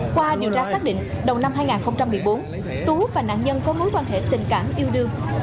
qua điều tra xác định đầu năm hai nghìn một mươi bốn tú và nạn nhân có mối quan hệ tình cảm yêu đương